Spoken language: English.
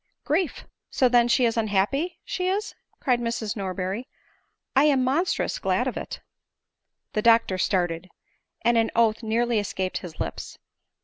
" Grief! So then she is unhappy, is she ?" cries Miss Norberry ;" I am monstrous glad of it." The doctor started ; and an oath nearly escaped his lips.